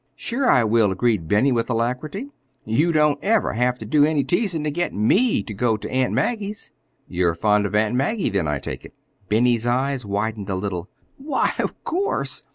"Sure I will," agreed Benny with alacrity. "You don't ever have ter do any teasin' ter get me ter go ter Aunt Maggie's." "You're fond of Aunt Maggie, then, I take it." Benny's eyes widened a little. "Why, of course!